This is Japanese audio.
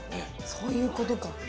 そういうことか。